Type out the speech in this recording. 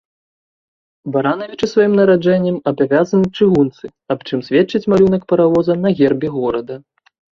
Баранавічы сваім нараджэннем абавязаны чыгунцы, аб чым сведчыць малюнак паравоза на гербе горада.